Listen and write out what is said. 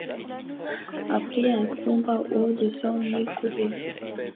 A pris un compas haut de cent mille coudées